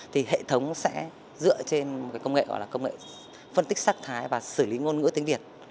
thì hệ thống sẽ dựa trên một cái công nghệ gọi là công nghệ phân tích sắc thái và xử lý ngôn ngữ tiếng việt